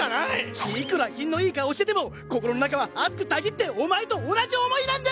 いくら品のいい顔をしてても心の中は熱くたぎってお前と同じ思いなんだ！